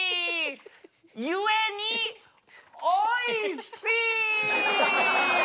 ゆえにおいしい！